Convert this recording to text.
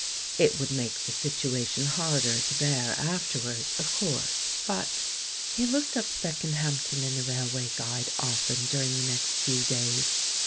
It would make the situation harder to bear after wards, of course, but He looked up "Beckenhampton" in the Rail way Guide often during the next few days.